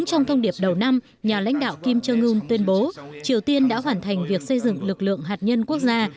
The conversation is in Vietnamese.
trong thông điệp đầu năm nhà lãnh đạo kim trương ươm tuyên bố triều tiên đã hoàn thành việc xây dựng lực lượng hạt nhân quốc gia